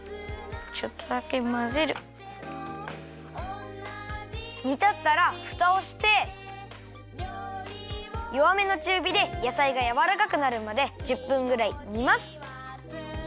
ちょっとだけまぜる。にたったらふたをしてよわめのちゅうびでやさいがやわらかくなるまで１０分ぐらいにます。